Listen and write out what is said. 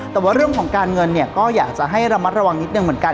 แต่ว่าเรื่องของการเงินเนี่ยก็อยากจะให้ระมัดระวังนิดนึงเหมือนกัน